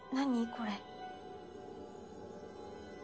これ。